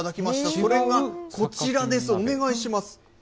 それがこちらです、お願いします。